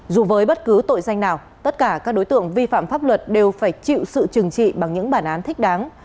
dù với bất cứ tội danh nào tất cả các đối tượng vi phạm pháp luật đều phải chịu sự trừng trị bằng những bản án thích đáng